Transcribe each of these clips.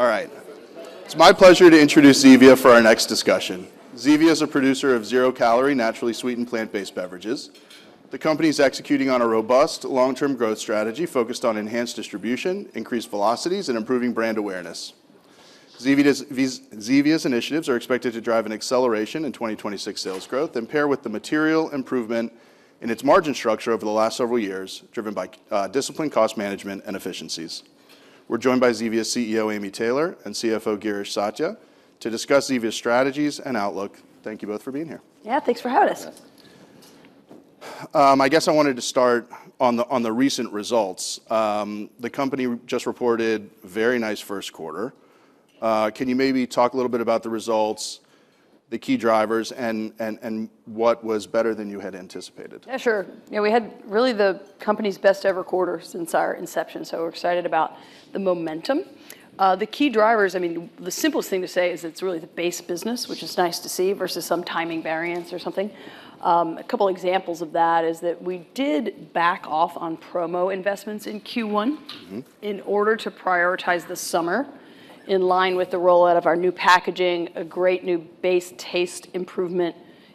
All right. It's my pleasure to introduce Zevia for our next discussion. Zevia's a producer of zero calorie, naturally sweetened, plant-based beverages. The company's executing on a robust long-term growth strategy focused on enhanced distribution, increased velocities, and improving brand awareness. Zevia's initiatives are expected to drive an acceleration in 2026 sales growth and pair with the material improvement in its margin structure over the last several years, driven by disciplined cost management and efficiencies. We're joined by Zevia CEO, Amy Taylor, and CFO, Girish Satya, to discuss Zevia's strategies and outlook. Thank you both for being here. Yeah, thanks for having us. I guess I wanted to start on the recent results. The company just reported very nice first quarter. Can you maybe talk a little bit about the results, the key drivers, and what was better than you had anticipated? Yeah, sure. You know, we had really the company's best ever quarter since our inception, so we're excited about the momentum. The key drivers, I mean, the simplest thing to say is it's really the base business, which is nice to see, versus some timing variance or something. A couple examples of that is that we did back off on promo investments in Q1 in order to prioritize the summer, in line with the rollout of our new packaging, a great new base taste improvement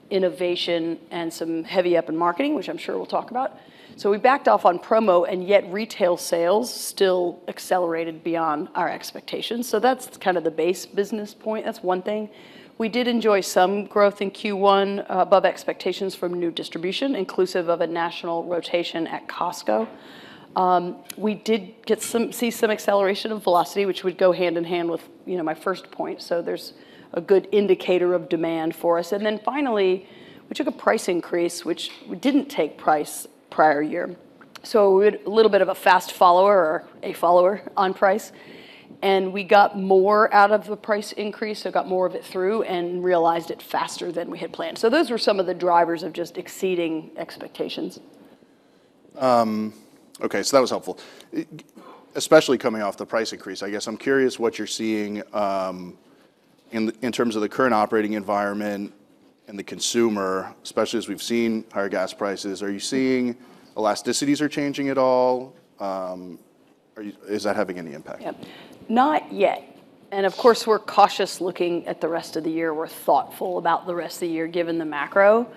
innovation, and some heavy up in marketing, which I'm sure we'll talk about. We backed off on promo, and yet retail sales still accelerated beyond our expectations. That's kind of the base business point. That's one thing. We did enjoy some growth in Q1, above expectations from new distribution, inclusive of a national rotation at Costco. We did get to see some acceleration of velocity, which would go hand-in-hand with, you know, my first point, so there's a good indicator of demand for us. Finally, we took a price increase, which we didn't take price prior year. We had a little bit of a fast follower or a follower on price, and we got more out of the price increase, so got more of it through and realized it faster than we had planned. Those were some of the drivers of just exceeding expectations. Okay, that was helpful. Especially coming off the price increase, I guess I'm curious what you're seeing in terms of the current operating environment and the consumer, especially as we've seen higher gas prices. Are you seeing elasticities are changing at all? Is that having any impact? Not yet. Of course, we're cautious looking at the rest of the year. We're thoughtful about the rest of the year, given the macro.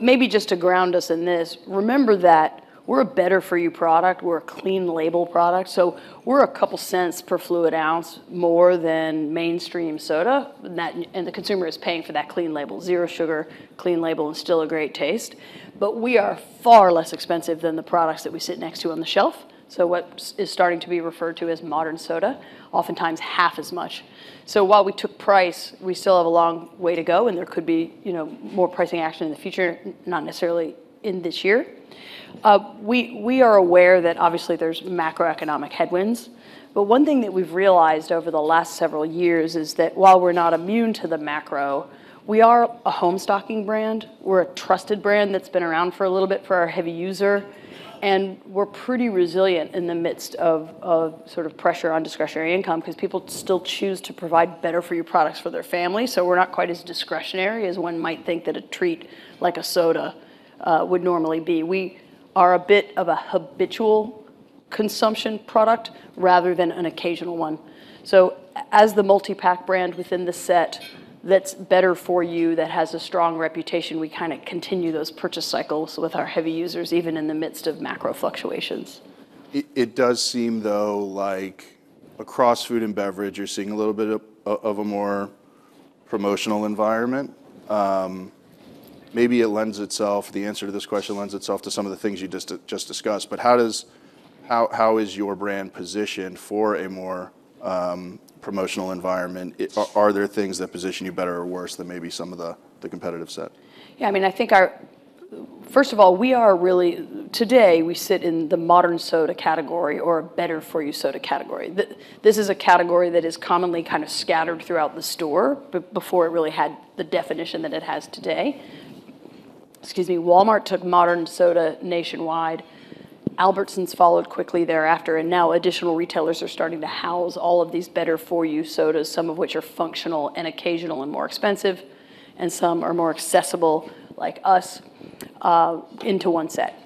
Maybe just to ground us in this, remember that we're a better for you product. We're a clean label product. We're a couple cents per fluid ounce more than mainstream soda, and the consumer is paying for that clean label. Zero sugar, clean label, and still a great taste, we are far less expensive than the products that we sit next to on the shelf. What's starting to be referred to as modern soda, oftentimes half as much. While we took price, we still have a long way to go, and there could be, you know, more pricing action in the future. Not necessarily in this year. We are aware that obviously there's macroeconomic headwinds. One thing that we've realized over the last several years is that while we're not immune to the macro, we are a home stocking brand. We're a trusted brand that's been around for a little bit for our heavy user, and we're pretty resilient in the midst of sort of pressure on discretionary income, 'cause people still choose to provide better for you products for their family. We're not quite as discretionary as one might think that a treat like a soda would normally be. We are a bit of a habitual consumption product rather than an occasional one. As the multi-pack brand within the set that's better for you, that has a strong reputation, we kind of continue those purchase cycles with our heavy users, even in the midst of macro fluctuations. It does seem though like across food and beverage, you're seeing a little bit of a more promotional environment. Maybe it lends itself, the answer to this question lends itself to some of the things you just discussed, How is your brand positioned for a more promotional environment? Are there things that position you better or worse than maybe some of the competitive set? I mean, First of all, today, we sit in the modern soda category or better for you soda category. This is a category that is commonly kind of scattered throughout the store before it really had the definition that it has today. Walmart took modern soda nationwide, Albertsons followed quickly thereafter. Now additional retailers are starting to house all of these better for you sodas, some of which are functional and occasional and more expensive, and some are more accessible, like us, into one set.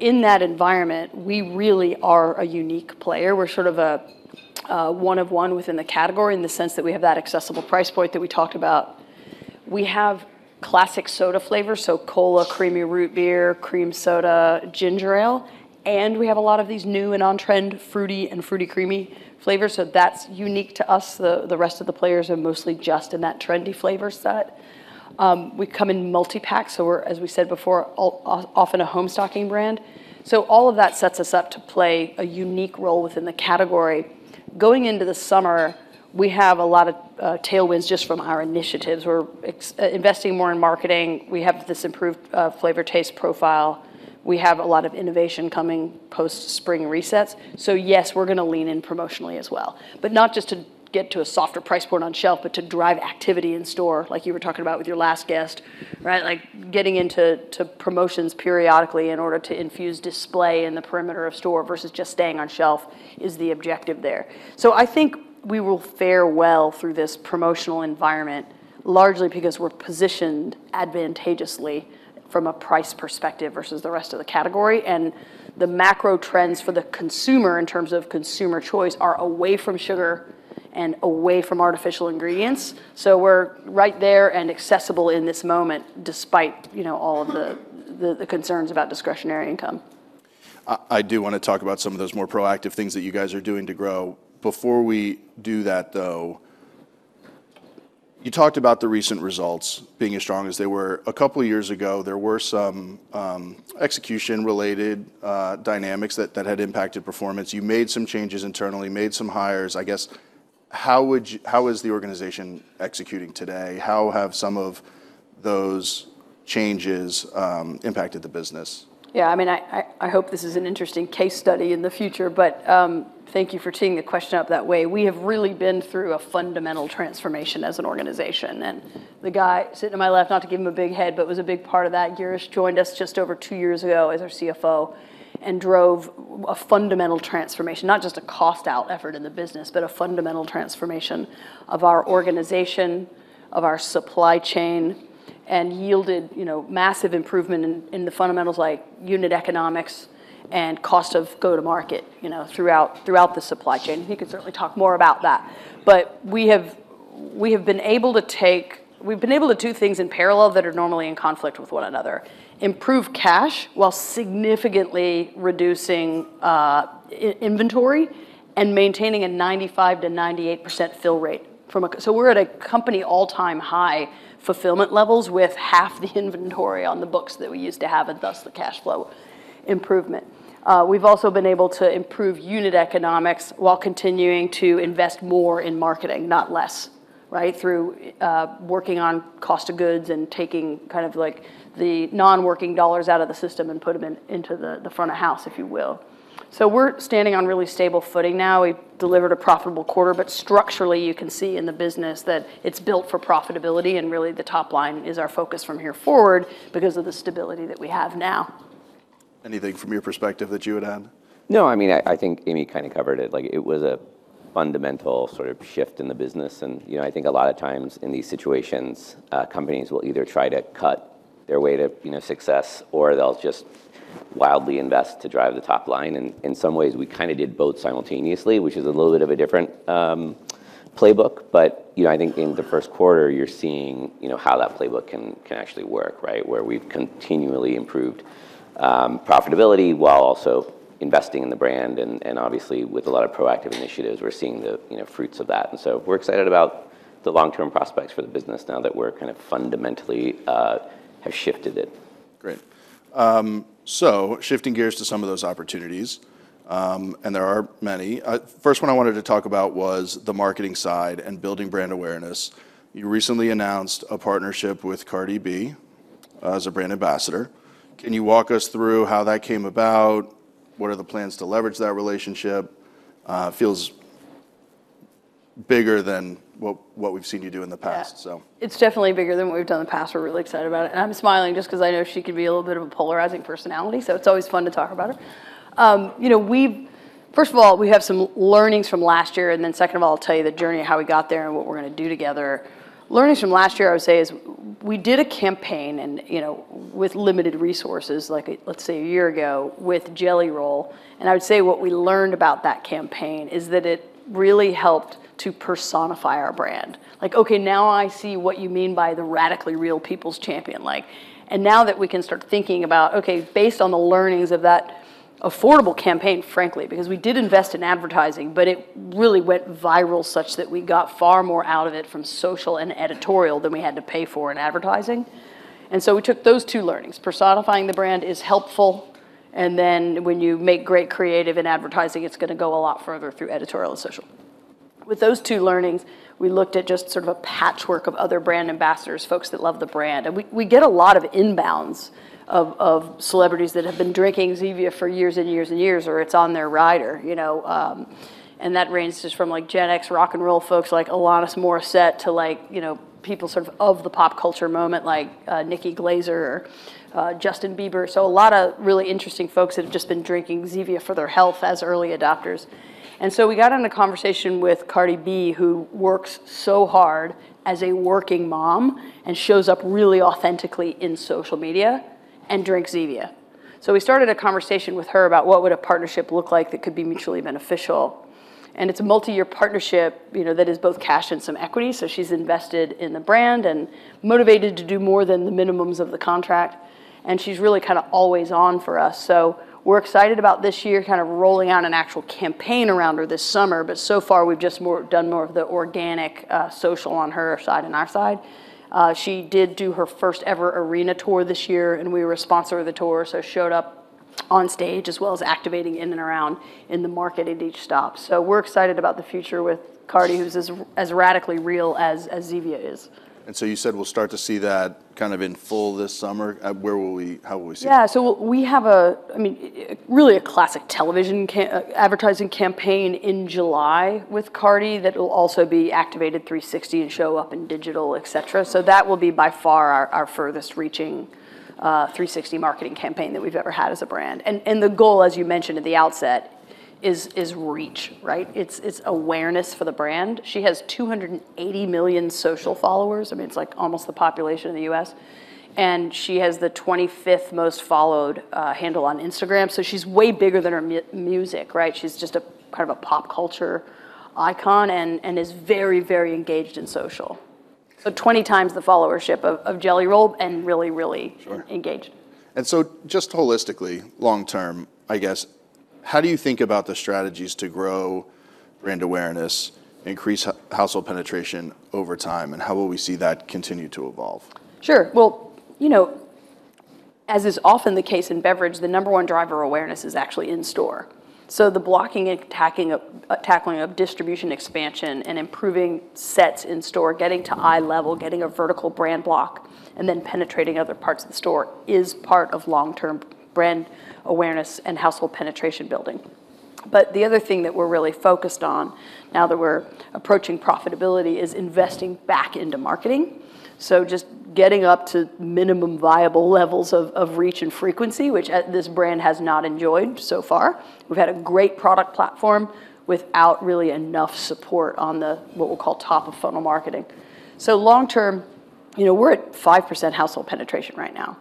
In that environment, we really are a unique player. We're sort of a one of one within the category in the sense that we have that accessible price point that we talked about. We have classic soda flavors, so Cola, Creamy Root Beer, Cream Soda, Ginger Ale, and we have a lot of these new and on-trend fruity and fruity creamy flavors, so that's unique to us. The rest of the players are mostly just in that trendy flavor set. We come in multi-packs, so we're, as we said before, often a home stocking brand. All of that sets us up to play a unique role within the category. Going into the summer, we have a lot of tailwinds just from our initiatives. We're investing more in marketing. We have this improved flavor taste profile. We have a lot of innovation coming post-spring resets. Yes, we're gonna lean in promotionally as well, but not just to get to a softer price point on shelf, but to drive activity in store, like you were talking about with your last guest, right? Like getting into promotions periodically in order to infuse display in the perimeter of store versus just staying on shelf is the objective there. I think we will fare well through this promotional environment, largely because we're positioned advantageously from a price perspective versus the rest of the category. The macro trends for the consumer in terms of consumer choice are away from sugar and away from artificial ingredients, so we're right there and accessible in this moment, despite, you know, all of the concerns about discretionary income. I do wanna talk about some of those more proactive things that you guys are doing to grow. Before we do that, though, you talked about the recent results being as strong as they were. A couple years ago, there were some execution-related dynamics that had impacted performance. You made some changes internally, made some hires. I guess, how is the organization executing today? How have some of those changes impacted the business? Yeah, I mean, I hope this is an interesting case study in the future, but thank you for teeing the question up that way. We have really been through a fundamental transformation as an organization, and the guy sitting to my left, not to give him a big head, but was a big part of that. Girish joined us just over two years ago as our CFO and drove a fundamental transformation, not just a cost out effort in the business, but a fundamental transformation of our organization, of our supply chain, and yielded, you know, massive improvement in the fundamentals like unit economics and cost of go-to-market, you know, throughout the supply chain. He can certainly talk more about that. We've been able to do things in parallel that are normally in conflict with one another, improve cash while significantly reducing inventory and maintaining a 95%-98% fill rate. We're at a company all-time high fulfillment levels with half the inventory on the books that we used to have, and thus the cash flow improvement. We've also been able to improve unit economics while continuing to invest more in marketing, not less, right? Through working on cost of goods and taking kind of like the non-working dollars out of the system and put them into the front of house, if you will. We're standing on really stable footing now. We delivered a profitable quarter, but structurally you can see in the business that it's built for profitability and really the top line is our focus from here forward because of the stability that we have now. Anything from your perspective that you would add? No, I mean, I think Amy kind of covered it. Like, it was a fundamental sort of shift in the business, you know, I think a lot of times in these situations, companies will either try to cut their way to, you know, success, or they'll just wildly invest to drive the top line. In some ways we kind of did both simultaneously, which is a little bit of a different playbook. You know, I think in the first quarter you're seeing, you know, how that playbook can actually work, right? Where we've continually improved profitability while also investing in the brand and obviously with a lot of proactive initiatives, we're seeing the, you know, fruits of that. We're excited about the long-term prospects for the business now that we're kind of fundamentally have shifted it. Great. Shifting gears to some of those opportunities, there are many. First one I wanted to talk about was the marketing side and building brand awareness. You recently announced a partnership with Cardi B as a brand ambassador. Can you walk us through how that came about? What are the plans to leverage that relationship? Feels bigger than what we've seen you do in the past, so? Yeah, it's definitely bigger than what we've done in the past. We're really excited about it. I'm smiling just 'cause I know she can be a little bit of a polarizing personality, so it's always fun to talk about her. You know, first of all, we have some learnings from last year. Second of all, I'll tell you the journey of how we got there and what we're gonna do together. Learnings from last year, I would say, is we did a campaign and, you know, with limited resources, like, let's say a year ago with Jelly Roll, and I would say what we learned about that campaign is that it really helped to personify our brand. Like, okay, now I see what you mean by the radically real people's champion. Now that we can start thinking about, okay, based on the learnings of that affordable campaign, frankly, because we did invest in advertising, but it really went viral such that we got far more out of it from social and editorial than we had to pay for in advertising. We took those two learnings. Personifying the brand is helpful, and then when you make great creative in advertising, it's gonna go a lot further through editorial and social. With those two learnings, we looked at just sort of a patchwork of other brand ambassadors, folks that love the brand. We get a lot of inbounds of celebrities that have been drinking Zevia for years and years and years, or it's on their rider, you know. And that ranges from, like, Gen X rock and roll folks like Alanis Morissette to like, you know, people sort of the pop culture moment like, Nikki Glaser or, Justin Bieber. A lot of really interesting folks that have just been drinking Zevia for their health as early adopters. We got in a conversation with Cardi B, who works so hard as a working mom and shows up really authentically in social media and drinks Zevia. We started a conversation with her about what would a partnership look like that could be mutually beneficial. It's a multi-year partnership, you know, that is both cash and some equity, so she's invested in the brand and motivated to do more than the minimums of the contract, and she's really kind of always on for us. We're excited about this year, kind of rolling out an actual campaign around her this summer, but so far we've just done more of the organic social on her side and our side. She did do her first ever arena tour this year, and we were a sponsor of the tour, so showed up on stage as well as activating in and around in the market at each stop. We're excited about the future with Cardi B, who's as radically real as Zevia is. You said we'll start to see that kind of in full this summer. How will we see that? Yeah. We have a, I mean, really a classic television advertising campaign in July with Cardi B that will also be activated 360 and show up in digital, etc. That will be by far our furthest reaching 360 marketing campaign that we've ever had as a brand. The goal, as you mentioned at the outset, is reach, right? It's awareness for the brand. She has 280 million social followers. I mean, it's like almost the population of the U.S., and she has the 25th most followed handle on Instagram, so she's way bigger than her music, right? She's just a kind of a pop culture icon and is very engaged in social. 20x the followership of Jelly Roll and really engaged. Just holistically, long term, I guess, how do you think about the strategies to grow brand awareness, increase household penetration over time, and how will we see that continue to evolve? Sure. Well, you know, as is often the case in beverage, the number one driver awareness is actually in store. The blocking and tackling of distribution expansion and improving sets in store, getting to eye level, getting a vertical brand block, and then penetrating other parts of the store is part of long-term brand awareness and household penetration building. The other thing that we're really focused on now that we're approaching profitability is investing back into marketing. Just getting up to minimum viable levels of reach and frequency, which at this brand has not enjoyed so far. We've had a great product platform without really enough support on the, what we'll call top-of-funnel marketing. Long term, you know, we're at 5% household penetration right now,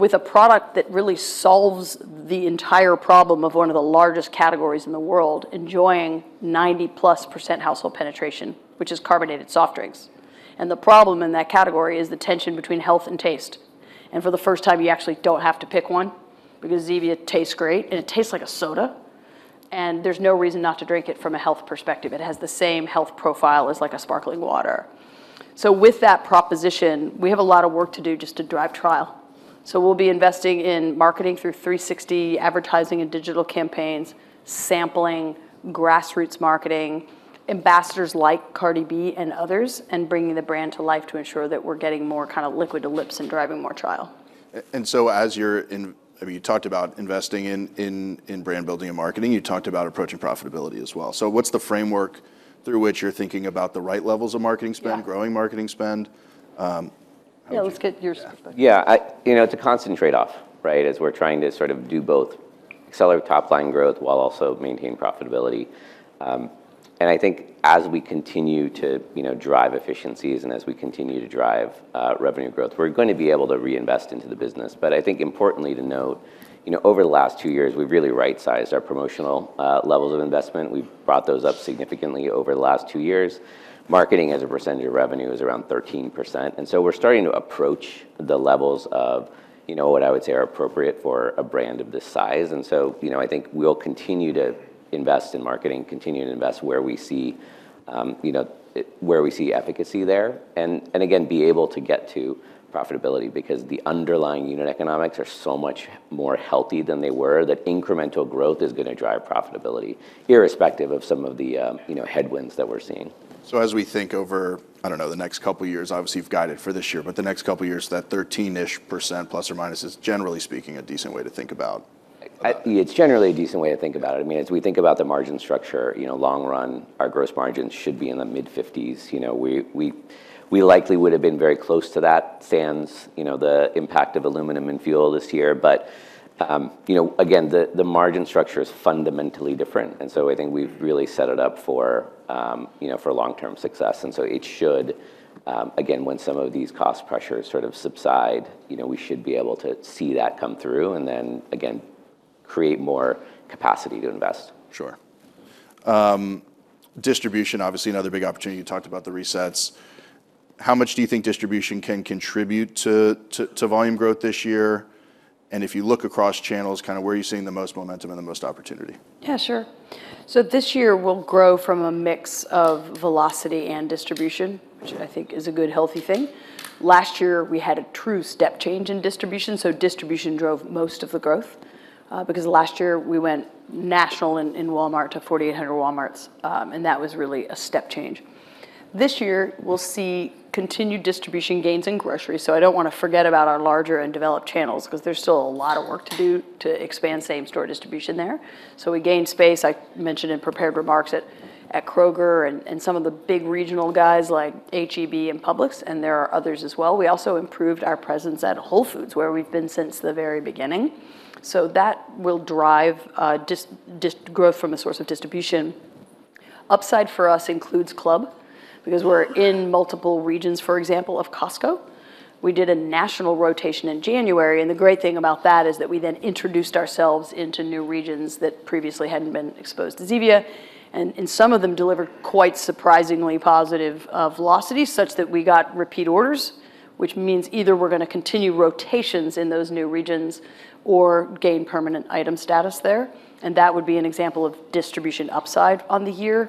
with a product that really solves the entire problem of one of the largest categories in the world, enjoying 90%+ household penetration, which is carbonated soft drinks. The problem in that category is the tension between health and taste, for the first time you actually don't have to pick one because Zevia tastes great, and it tastes like a soda, and there's no reason not to drink it from a health perspective. It has the same health profile as, like, a sparkling water. With that proposition, we have a lot of work to do just to drive trial. We'll be investing in marketing through 360 advertising and digital campaigns, sampling, grassroots marketing, ambassadors like Cardi B and others, and bringing the brand to life to ensure that we're getting more kind of liquid to lips and driving more trial. I mean, you talked about investing in brand building and marketing, you talked about approaching profitability as well. What's the framework through which you're thinking about the right levels of growing marketing spend? Yeah, let's get your perspective. You know, it's a constant trade-off, right? As we're trying to do both accelerate top-line growth while also maintain profitability. I think as we continue to, you know, drive efficiencies and as we continue to drive revenue growth, we're gonna be able to reinvest into the business. I think importantly to note, you know, over the last two years, we've really right-sized our promotional levels of investment. We've brought those up significantly over the last two years. Marketing as a percent of revenue is around 13%, we're starting to approach the levels of, you know, what I would say are appropriate for a brand of this size. You know, I think we'll continue to invest in marketing, continue to invest where we see, you know, where we see efficacy there, and again, be able to get to profitability because the underlying unit economics are so much more healthy than they were, that incremental growth is gonna drive profitability irrespective of some of the, you know, headwinds that we're seeing. As we think over, I don't know, the next couple years, obviously you've guided for this year, but the next couple years, that 13%± is generally speaking a decent way to think about. It's generally a decent way to think about it. I mean, as we think about the margin structure, you know, long run our gross margins should be in the mid-50%. You know, we likely would've been very close to that sans, you know, the impact of aluminum and fuel this year. You know, again, the margin structure is fundamentally different. I think we've really set it up for, you know, for long-term success. It should, again, when some of these cost pressures sort of subside, you know, we should be able to see that come through, again, create more capacity to invest. Sure. Distribution, obviously another big opportunity. You talked about the resets. How much do you think distribution can contribute to volume growth this year? If you look across channels, kind of where are you seeing the most momentum and the most opportunity? Yeah, sure. This year we'll grow from a mix of velocity and distribution, which I think is a good healthy thing. Last year we had a true step change in distribution, so distribution drove most of the growth, because last year we went national in Walmart to 4,800 Walmarts. That was really a step change. This year we'll see continued distribution gains in grocery, so I don't wanna forget about our larger and developed channels, 'cause there's still a lot of work to do to expand same-store distribution there. We gained space, I mentioned in prepared remarks at Kroger, and some of the big regional guys like H-E-B and Publix, and there are others as well. We also improved our presence at Whole Foods, where we've been since the very beginning. That will drive growth from a source of distribution. Upside for us includes Club, because we're in multiple regions, for example, of Costco. The great thing about that is that we then introduced ourselves into new regions that previously hadn't been exposed to Zevia, and some of them delivered quite surprisingly positive velocity, such that we got repeat orders, which means either we're gonna continue rotations in those new regions or gain permanent item status there. That would be an example of distribution upside on the year.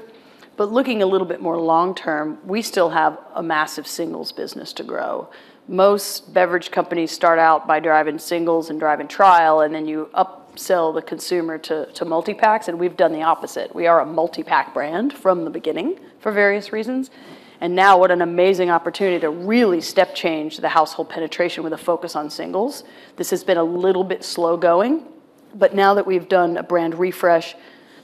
Looking a little bit more long term, we still have a massive singles business to grow. Most beverage companies start out by driving singles and driving trial, then you upsell the consumer to multi-packs. We've done the opposite. We are a multi-pack brand from the beginning for various reasons. Now what an amazing opportunity to really step change the household penetration with a focus on singles. This has been a little bit slow going, but now that we've done a brand refresh,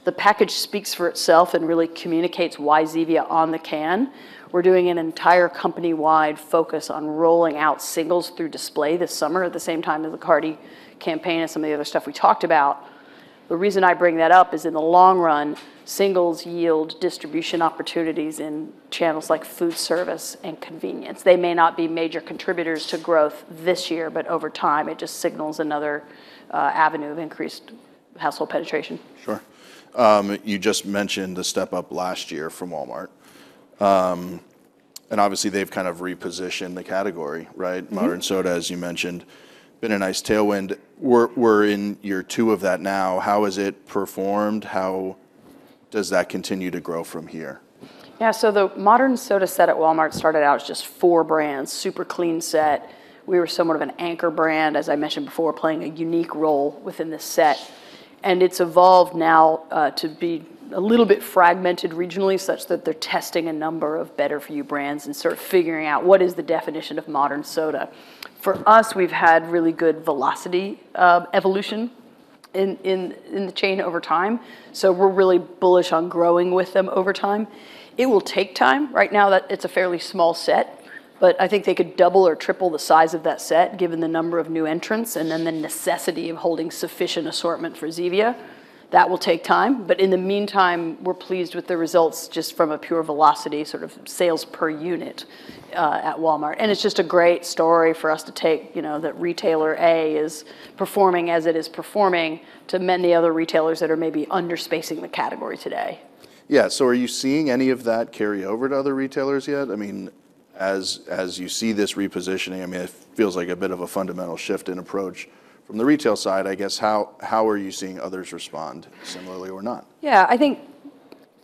the package speaks for itself and really communicates why Zevia on the can. We're doing an entire company-wide focus on rolling out singles through display this summer at the same time as the Cardi B campaign and some of the other stuff we talked about. The reason I bring that up is in the long run, singles yield distribution opportunities in channels like food service and convenience. They may not be major contributors to growth this year, but over time it just signals another avenue of increased household penetration. Sure. You just mentioned the step up last year from Walmart. Obviously they've kind of repositioned the category, right? Modern soda, as you mentioned, been a nice tailwind. We're in year two of that now. How has it performed? How does that continue to grow from here? The modern soda set at Walmart started out as just four brands, super clean set. We were somewhat of an anchor brand, as I mentioned before, playing a unique role within the set. It's evolved now to be a little bit fragmented regionally, such that they're testing a number of better for you brands and sort of figuring out what is the definition of modern soda. For us, we've had really good velocity, evolution in the chain over time, we're really bullish on growing with them over time. It will take time. Right now, that it's a fairly small set, I think they could double or triple the size of that set given the number of new entrants, the necessity of holding sufficient assortment for Zevia. That will take time. In the meantime, we're pleased with the results just from a pure velocity sort of sales per unit, at Walmart. It's just a great story for us to take, you know, that retailer A is performing as it is performing to many other retailers that are maybe under-spacing the category today. Yeah. Are you seeing any of that carry over to other retailers yet? I mean, as you see this repositioning, I mean, it feels like a bit of a fundamental shift in approach. From the retail side, I guess, how are you seeing others respond, similarly or not? Yeah. I think,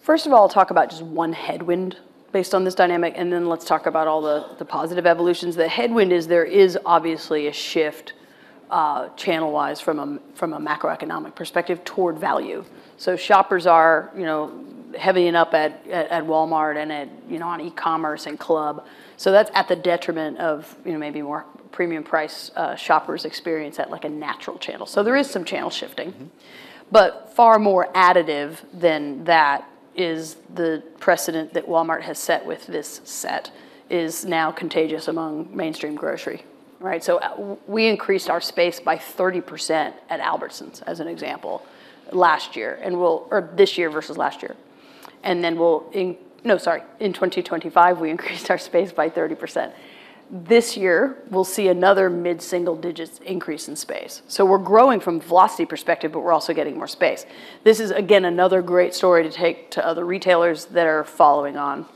first of all, I'll talk about just one headwind based on this dynamic, and then let's talk about all the positive evolutions. The headwind is there is obviously a shift, channel-wise from a macroeconomic perspective toward value. Shoppers are, you know, heavying up at Walmart and at, you know, on e-commerce and club. That's at the detriment of, you know, maybe more premium price, shoppers' experience at, like, a natural channel. There is some channel shifting. Far more additive than that is the precedent that Walmart has set with this set is now contagious among mainstream grocery, right? We increased our space by 30% at Albertsons, as an example, last year, this year versus last year. In 2025, we increased our space by 30%. This year, we'll see another mid-single digits increase in space. We're growing from velocity perspective, but we're also getting more space. This is, again, another great story to take to other retailers that are following on.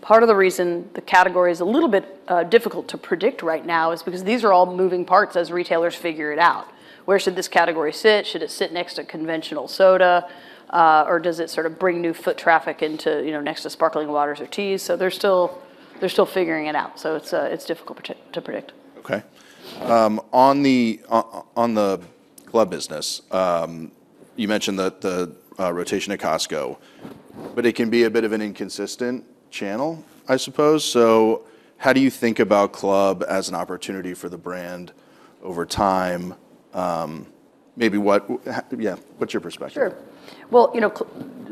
Part of the reason the category is a little bit difficult to predict right now is because these are all moving parts as retailers figure it out. Where should this category sit? Should it sit next to conventional soda? Does it sort of bring new foot traffic into, you know, next to sparkling waters or teas? They're still figuring it out, so it's difficult to predict. On the Club business, you mentioned the rotation at Costco, it can be a bit of an inconsistent channel, I suppose. How do you think about Club as an opportunity for the brand over time? Maybe what's your perspective? Sure. You know,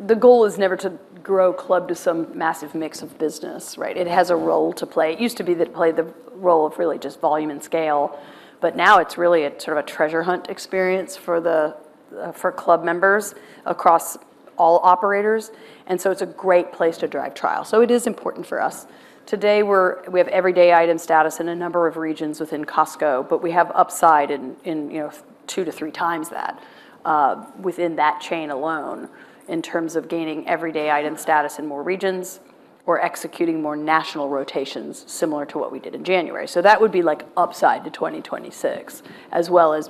the goal is never to grow Club to some massive mix of business, right? It has a role to play. It used to be that it played the role of really just volume and scale. Now it's really a sort of a treasure hunt experience for the for Club members across all operators. It's a great place to drive trial. It is important for us. Today, we have everyday item status in a number of regions within Costco. We have upside in, you know, two to three times that within that chain alone in terms of gaining everyday item status in more regions or executing more national rotations similar to what we did in January. That would be, like, upside to 2026, as well as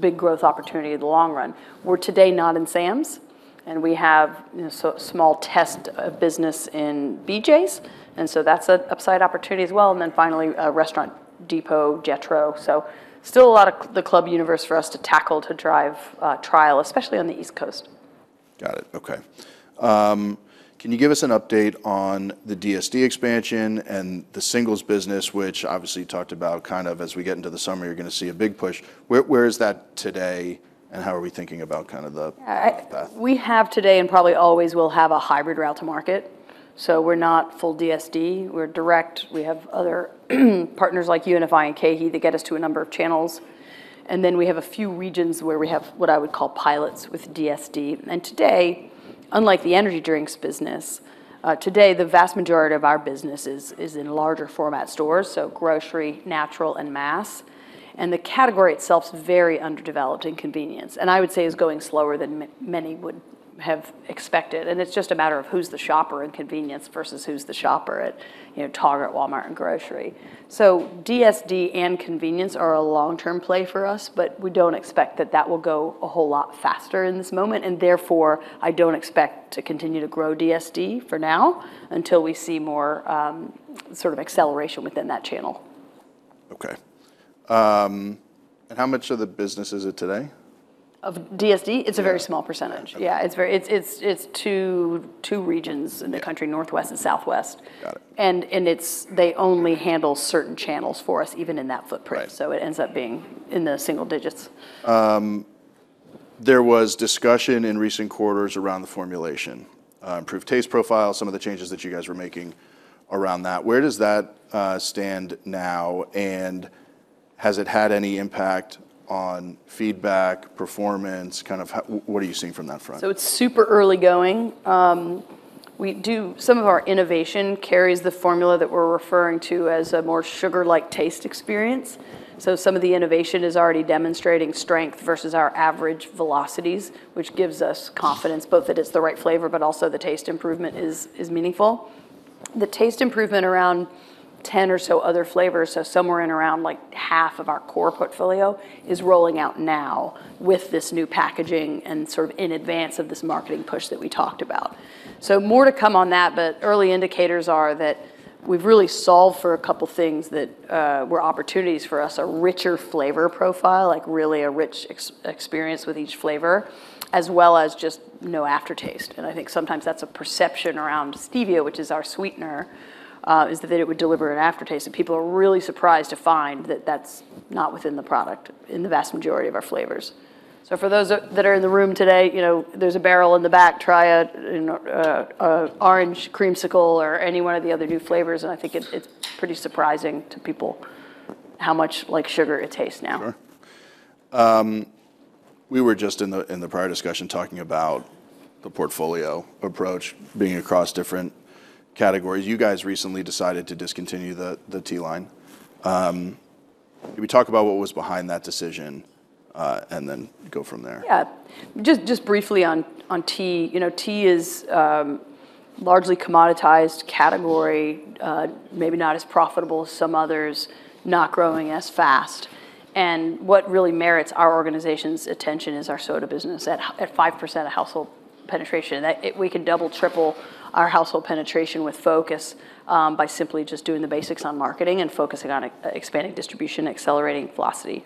big growth opportunity in the long run. We're today not in Sam's, and we have, you know, small test business in BJ's, and so that's a upside opportunity as well. Finally, Restaurant Depot, Jetro. Still a lot of the club universe for us to tackle to drive trial, especially on the East Coast. Got it, okay. Can you give us an update on the DSD expansion and the singles business, which obviously you talked about kind of as we get into the summer, you're gonna see a big push. Where is that today, and how are we thinking about kind of the path? We have today and probably always will have a hybrid route to market. We're not full DSD. We're direct. We have other partners like UNFI and KeHE that get us to a number of channels. We have a few regions where we have what I would call pilots with DSD. Today, unlike the energy drinks business, today the vast majority of our business is in larger format stores, so grocery, natural, and mass. The category itself is very underdeveloped in convenience, and I would say is going slower than many would have expected, and it's just a matter of who's the shopper in convenience versus who's the shopper at, you know, Target, Walmart, and grocery. DSD and convenience are a long-term play for us, but we don't expect that that will go a whole lot faster in this moment. Therefore, I don't expect to continue to grow DSD for now until we see more sort of acceleration within that channel. Okay. How much of the business is it today? Of DSD? Yeah. It's a very small percentage. Okay. Yeah. It's two regions in the country. Northwest and Southwest. Got it. They only handle certain channels for us even in that footprint. It ends up being in the single digits. Right. There was discussion in recent quarters around the formulation, improved taste profile, some of the changes that you guys were making around that. Where does that stand now, and has it had any impact on feedback, performance? Kind of how, what are you seeing from that front? It's super early going. Some of our innovation carries the formula that we're referring to as a more sugar-like taste experience. Some of the innovation is already demonstrating strength versus our average velocities, which gives us confidence both that it's the right flavor, but also the taste improvement is meaningful. The taste improvement around 10 or so other flavors, so somewhere in around like half of our core portfolio, is rolling out now with this new packaging and sort of in advance of this marketing push that we talked about. More to come on that, but early indicators are that we've really solved for a couple things that were opportunities for us, a richer flavor profile, like really a rich experience with each flavor, as well as just no aftertaste. I think sometimes that's a perception around stevia, which is our sweetener, is that it would deliver an aftertaste. People are really surprised to find that that's not within the product in the vast majority of our flavors. For those that are in the room today, you know, there's a barrel in the back, try a, you know, a Orange Creamsicle or any one of the other new flavors. I think it's pretty surprising to people how much like sugar it tastes now. Sure. We were just in the prior discussion talking about the portfolio approach being across different categories. You guys recently decided to discontinue the tea line. Can we talk about what was behind that decision and then go from there? Yeah, just briefly on tea. You know, tea is largely commoditized category, maybe not as profitable as some others, not growing as fast. What really merits our organization's attention is our soda business at 5% of household penetration. We can double, triple our household penetration with focus by simply just doing the basics on marketing and focusing on expanding distribution, accelerating velocity.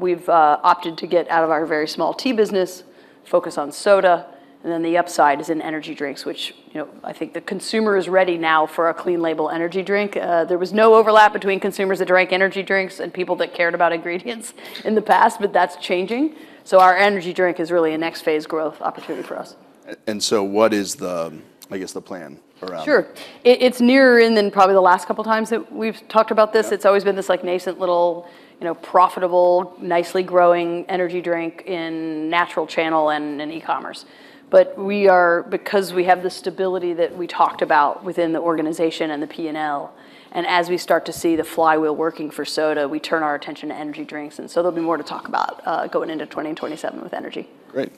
We've opted to get out of our very small tea business, focus on soda, and then the upside is in energy drinks, which, you know, I think the consumer is ready now for a clean label energy drink. There was no overlap between consumers that drank energy drinks and people that cared about ingredients in the past, but that's changing. Our energy drink is really a next phase growth opportunity for us. What is the, I guess, the plan around? Sure. It's nearer than probably the last couple times that we've talked about this. It's always been this like nascent little, you know, profitable, nicely growing energy drink in natural channel and in e-commerce. Because we have the stability that we talked about within the organization and the P&L, and as we start to see the flywheel working for soda, we turn our attention to energy drinks, and so there'll be more to talk about going into 2027 with energy. Great.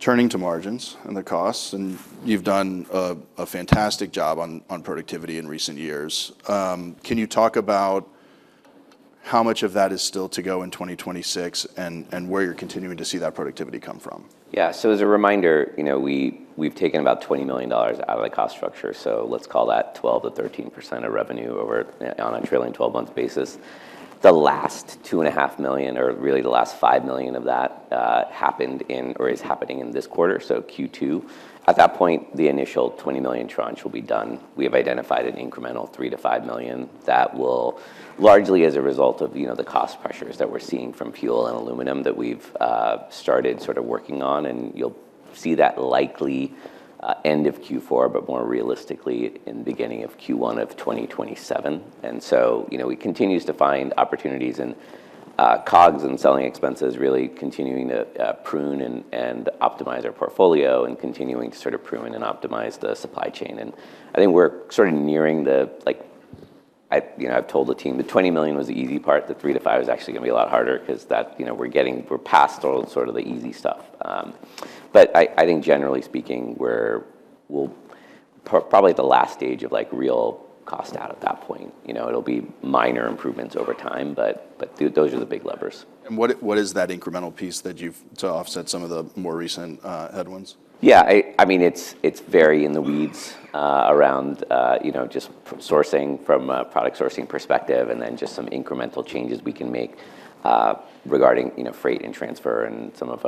Turning to margins and the costs, and you've done a fantastic job on productivity in recent years. Can you talk about how much of that is still to go in 2026 and where you're continuing to see that productivity come from? Yeah. As a reminder, you know, we've taken about $20 million out of the cost structure, let's call that 12%-13% of revenue on a trailing 12-month basis. The last $2.5 million, or really the last $5 million of that, is happening in this quarter, so Q2. At that point, the initial $20 million tranche will be done. We have identified an incremental $3 million-$5 million that will largely as a result of, you know, the cost pressures that we're seeing from fuel and aluminum that we've started sort of working on, and you'll see that likely end of Q4, but more realistically in the beginning of Q1 of 2027. You know, we continue to find opportunities in COGS and selling expenses really continuing to prune and optimize our portfolio and continuing to sort of prune and optimize the supply chain. I think we're sort of nearing the, like I, you know, I've told the team the $20 million was the easy part. The $3 million-$5 million is actually gonna be a lot harder 'cause that, you know, we're past all sort of the easy stuff. But I think generally speaking, we'll probably at the last stage of like real cost out at that point. You know, it'll be minor improvements over time, but those are the big levers. What is that incremental piece that to offset some of the more recent headwinds? Yeah. I mean, it's very in the weeds around, you know, just from a product sourcing perspective, then just some incremental changes we can make regarding, you know, freight and transfer and some of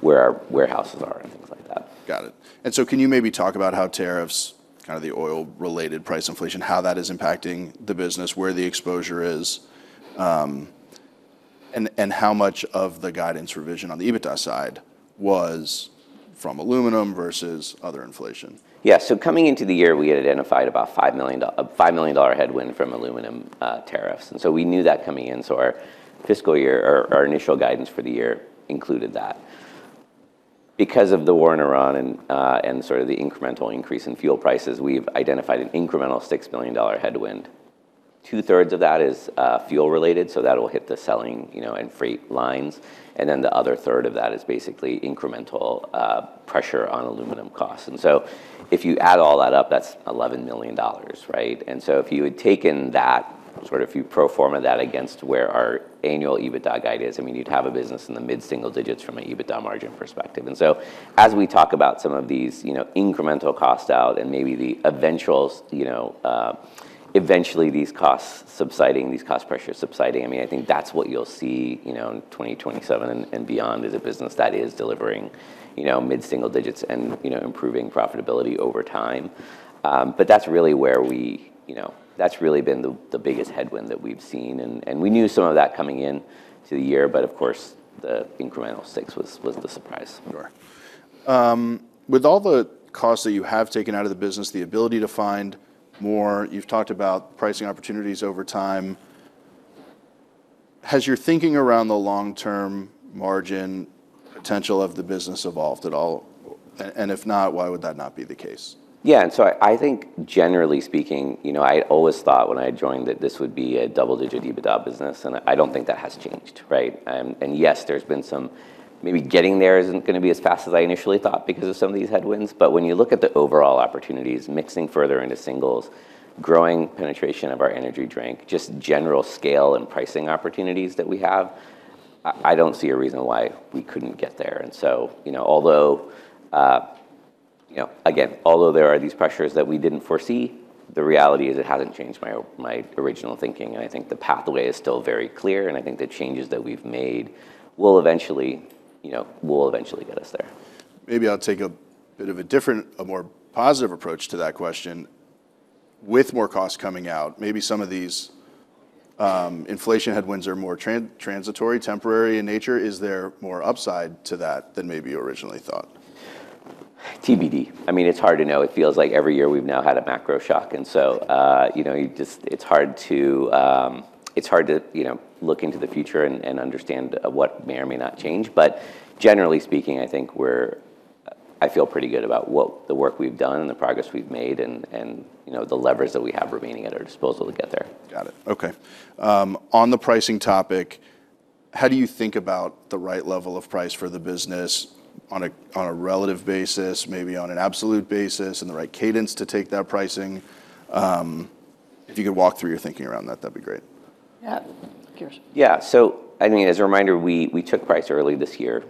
where our warehouses are and things like that. Got it. Can you maybe talk about how tariffs, kind of the oil-related price inflation, how that is impacting the business, where the exposure is, and how much of the guidance revision on the EBITDA side was from aluminum versus other inflation? Yeah. Coming into the year, we had identified about a $5 million headwind from aluminum tariffs. We knew that coming in, so our fiscal year, our initial guidance for the year included that. Because of the war in Iran and sort of the incremental increase in fuel prices, we've identified an incremental $6 million headwind. 2/3 of that is fuel-related, so that'll hit the selling, you know, and freight lines. The other third of that is basically incremental pressure on aluminum costs. If you add all that up, that's $11 million, right? If you had taken that, sort of if you pro forma that against where our annual EBITDA guide is, I mean, you'd have a business in the mid-single digits from an EBITDA margin perspective. As we talk about some of these, you know, incremental costs out and maybe the eventual, you know, eventually these costs subsiding, these cost pressures subsiding, I mean, I think that's what you'll see, you know, in 2027 and beyond is a business that is delivering, you know, mid-single digits and, you know, improving profitability over time. That's really where we, you know, that's really been the biggest headwind that we've seen. We knew some of that coming in to the year, but of course, the incremental stakes was the surprise. Sure. With all the costs that you have taken out of the business, the ability to find more, you've talked about pricing opportunities over time. Has your thinking around the long-term margin potential of the business evolved at all? If not, why would that not be the case? Yeah, I think generally speaking, you know, I always thought when I joined that this would be a double-digit EBITDA business, and I don't think that has changed, right? Yes, there's been some Maybe getting there isn't gonna be as fast as I initially thought because of some of these headwinds, but when you look at the overall opportunities, mixing further into singles, growing penetration of our energy drink, just general scale and pricing opportunities that we have, I don't see a reason why we couldn't get there. You know, although, you know, again, although there are these pressures that we didn't foresee, the reality is it hasn't changed my original thinking, and I think the pathway is still very clear, and I think the changes that we've made will eventually, you know, will eventually get us there. Maybe I'll take a bit of a different, a more positive approach to that question. With more costs coming out, maybe some of these inflation headwinds are more transitory, temporary in nature. Is there more upside to that than maybe you originally thought? TBD. I mean, it's hard to know. It feels like every year we've now had a macro shock. You just, it's hard to, you know, look into the future and understand what may or may not change. Generally speaking, I think I feel pretty good about what the work we've done and the progress we've made and, you know, the levers that we have remaining at our disposal to get there. Got it, okay. On the pricing topic, how do you think about the right level of price for the business on a, on a relative basis, maybe on an absolute basis, and the right cadence to take that pricing? If you could walk through your thinking around that'd be great. Yeah. Girish? Yeah. I mean, as a reminder, we took price early this year,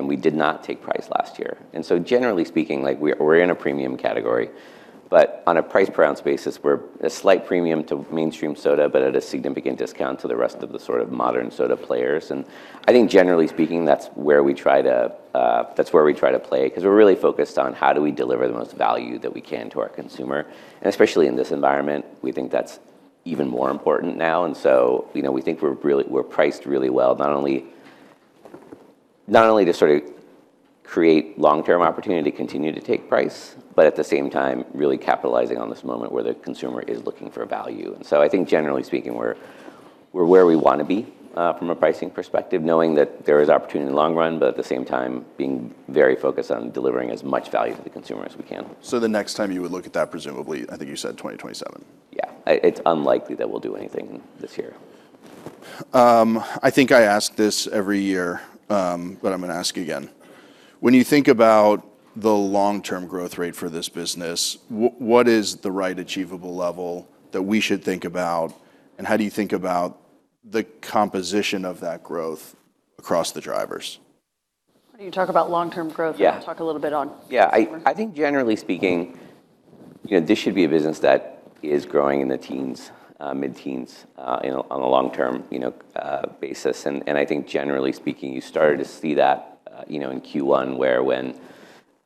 we did not take price last year. Generally speaking, like we're in a premium category, but on a price per ounce basis, we're a slight premium to mainstream soda but at a significant discount to the rest of the sort of modern soda players. I think generally speaking, that's where we try to, that's where we try to play 'cause we're really focused on how do we deliver the most value that we can to our consumer. Especially in this environment, we think that's even more important now, you know, we're priced really well. Not only to sort of create long-term opportunity to continue to take price, but at the same time really capitalizing on this moment where the consumer is looking for value. I think generally speaking, we're where we want to be from a pricing perspective, knowing that there is opportunity in the long run, but at the same time, being very focused on delivering as much value to the consumer as we can. The next time you would look at that, presumably, I think you said 2027. Yeah, it's unlikely that we'll do anything this year. I think I ask this every year, but I'm gonna ask again. When you think about the long-term growth rate for this business, what is the right achievable level that we should think about, and how do you think about the composition of that growth across the drivers? You talk about long-term growth. Yeah. Talk a little bit on- Yeah. I think generally speaking, you know, this should be a business that is growing in the teens, mid-teens, you know, on a long-term, you know, basis. I think generally speaking, you started to see that, you know, in Q1 where when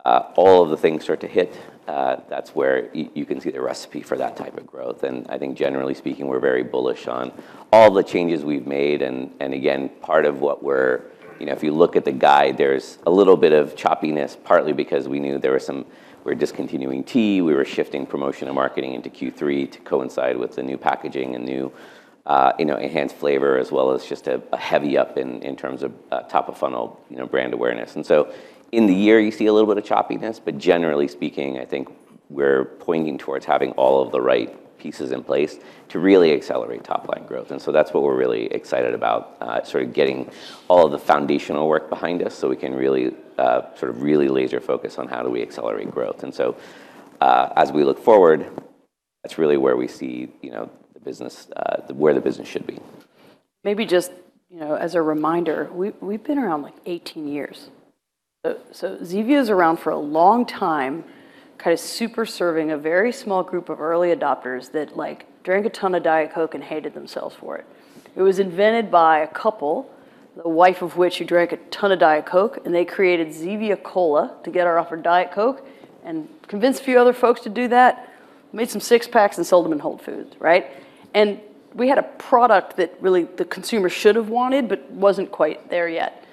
all of the things start to hit, that's where you can see the recipe for that type of growth. I think generally speaking, we're very bullish on all the changes we've made. You know, if you look at the guide, there's a little bit of choppiness. Partly because we're discontinuing tea. We were shifting promotion and marketing into Q3 to coincide with the new packaging and new, you know, enhanced flavor, as well as just a heavy up in terms of top of funnel, you know, brand awareness. In the year you see a little bit of choppiness, but generally speaking, I think we're pointing towards having all of the right pieces in place to really accelerate top-line growth. That's what we're really excited about, sort of getting all of the foundational work behind us so we can really, sort of laser focus on how do we accelerate growth. As we look forward, that's really where we see, you know, the business, where the business should be. Maybe just, you know, as a reminder, we've been around like 18 years. Zevia's around for a long time, kind of super serving a very small group of early adopters that, like, drank a ton of Diet Coke and hated themselves for it. It was invented by a couple, the wife of which who drank a ton of Diet Coke, and they created Zevia Cola to get her off of Diet Coke and convinced a few other folks to do that. Made some six-packs and sold them in Whole Foods, right? We had a product that really the consumer should have wanted but wasn't quite there yet.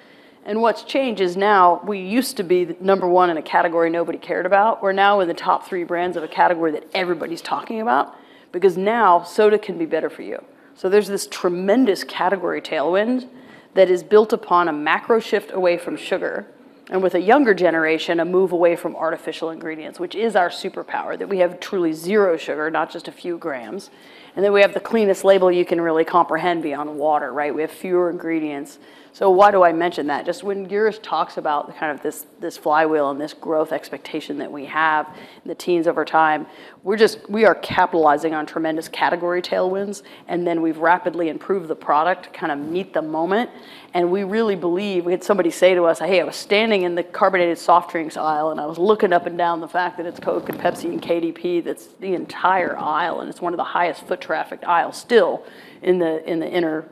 What's changed is now we used to be the number one in a category nobody cared about. We're now in the top three brands of a category that everybody's talking about because now soda can be better for you. There's this tremendous category tailwind that is built upon a macro shift away from sugar and, with a younger generation, a move away from artificial ingredients, which is our superpower, that we have truly zero sugar, not just a few grams. We have the cleanest label you can really comprehend beyond water, right? We have fewer ingredients. Why do I mention that? Just when Girish talks about kind of this flywheel and this growth expectation that we have in the teens over time, we are capitalizing on tremendous category tailwinds, and then we've rapidly improved the product to kind of meet the moment, and we really believe. We had somebody say to us, "Hey, I was standing in the carbonated soft drinks aisle, and I was looking up and down." The fact that it's Coke and Pepsi and KDP that's the entire aisle, and it's one of the highest foot trafficked aisles still in the inner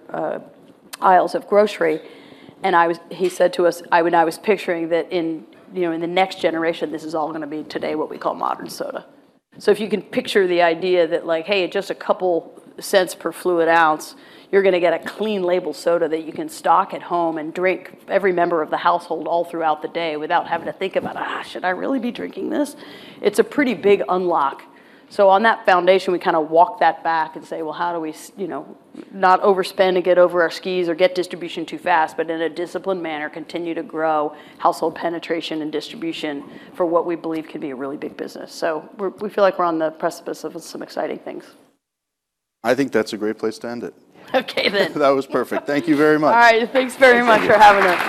aisles of grocery. He said to us, "I was picturing that in, you know, in the next generation, this is all gonna be today what we call modern soda." If you can picture the idea that, like, hey, just a couple cents per fluid ounce, you're gonna get a clean label soda that you can stock at home and drink every member of the household all throughout the day without having to think about, "Should I really be drinking this?" It's a pretty big unlock. On that foundation, we kind of walk that back and say, "Well, how do we you know, not overspend and get over our skis or get distribution too fast, but in a disciplined manner continue to grow household penetration and distribution for what we believe could be a really big business?" We feel like we're on the precipice of some exciting things. I think that's a great place to end it. Okay then. That was perfect, thank you very much. All right. Thanks very much for having us.